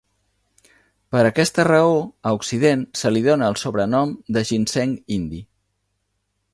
Per aquesta raó, a Occident se li dóna el sobrenom de ginseng indi.